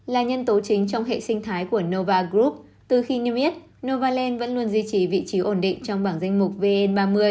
là nhân tố chính trong hệ sinh thái của nova group từ khi niêm yết novaland vẫn luôn duy trì vị trí ổn định trong bảng danh mục vn ba mươi